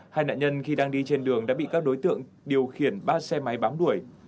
hai nạn nhân khi đang đi trên đường đã bị các đối tượng điều khiển ba xe máy bám đuổi